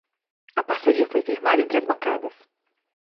A parceria foi firmada entre as bancadas